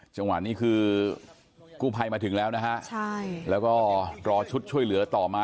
จังหวะนี้คือกู้ภัยมาถึงแล้วนะฮะใช่แล้วก็รอชุดช่วยเหลือต่อมา